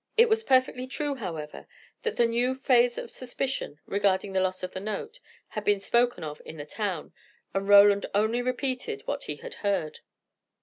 It was perfectly true, however, that the new phase of suspicion, regarding the loss of the note, had been spoken of in the town, and Roland only repeated what he had heard.